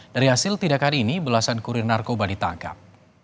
dari hasil tindakan ini belasan kurir narkoba ditangkap